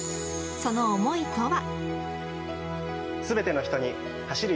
その思いとは。